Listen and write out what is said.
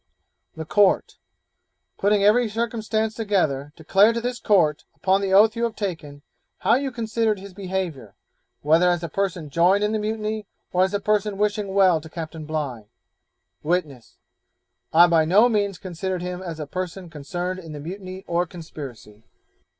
The Court 'Putting every circumstance together, declare to this court, upon the oath you have taken, how you considered his behaviour, whether as a person joined in the mutiny, or as a person wishing well to Captain Bligh?' Witness 'I by no means considered him as a person concerned in the mutiny or conspiracy.'